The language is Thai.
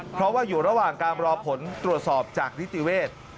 เพราะว่าอยู่ระหว่างการรอผลตรวจสอบจากนิติเวศ